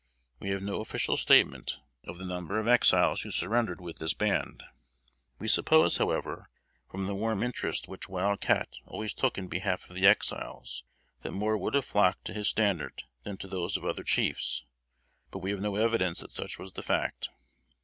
We have no official statement of the number of Exiles who surrendered with this band. We suppose, however, from the warm interest which Wild Cat always took in behalf of the Exiles, that more would have flocked to his standard than to those of other chiefs; but we have no evidence that such was the fact.